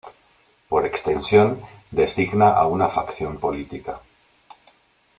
Por extensión, designa a una facción política.